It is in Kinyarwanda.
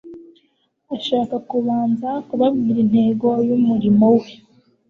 ashaka kubanza kubabwira intego y'umurimo we,